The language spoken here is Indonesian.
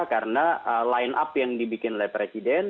karena line up yang dibikin oleh presiden